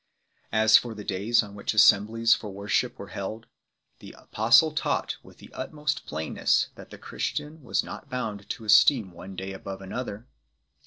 As for the days on which assemblies for worship were held, the Apostle taught with the utmost plainness that the Christian was not bound to esteem one day above another 8